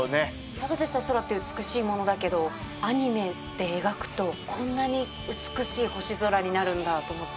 ただでさえ空って美しいものだけどアニメで描くとこんなに美しい星空になるんだと思って。